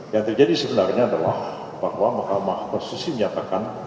yang terjadi sebenarnya adalah bahwa mahkamah konstitusi menyatakan